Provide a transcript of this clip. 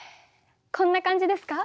こんな感じですか？